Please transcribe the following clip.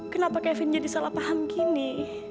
kenapa kevin jadi salah paham gini